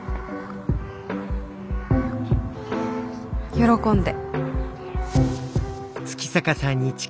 喜んで。